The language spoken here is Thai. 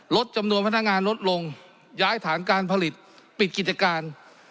ลดจำนวนพนักงานลดลงย้ายฐานการผลิตปิดกิจการ